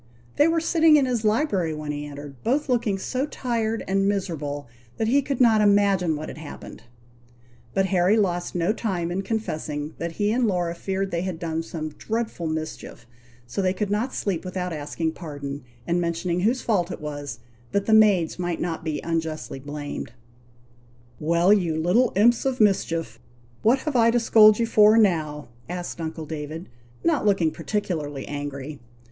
They were sitting in his library when he entered, both looking so tired and miserable that he could not imagine what had happened; but Harry lost no time in confessing that he and Laura feared they had done some dreadful mischief, so they could not sleep without asking pardon, and mentioning whose fault it was, that the maids might not be unjustly blamed. "Well, you little imps of mischief! what have I to scold you for now?" asked uncle David, not looking particularly angry.